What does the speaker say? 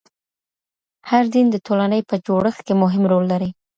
هر دین د ټولني په جوړښت کي مهم رول لري.